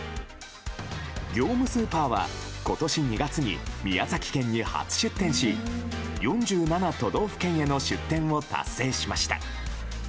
業務スーパーは今年２月に宮崎県に初出店し４７都道府県への出店を達成しました。